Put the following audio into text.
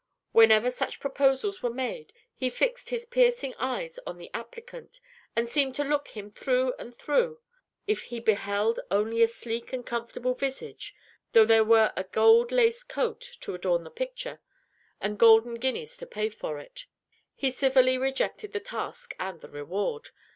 Whenever such proposals were made, he fixed his piercing eyes on the applicant, and seemed to look him through and through. If he beheld only a sleek and comfortable visage, though there were a gold laced coat to adorn the picture, and golden guineas to pay for it, he civilly rejected the task and the reward.